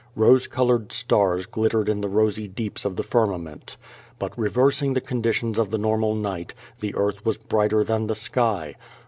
Rose colored stars glittered in the rosy deeps of the firmament. But, reversing the conditions of the normal night, the earth was brighter than the sky.